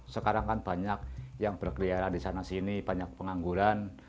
sekarang kan banyak yang berkeliaran di sana sini banyak pengangguran